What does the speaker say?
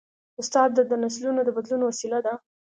استاد د نسلونو د بدلون وسیله ده.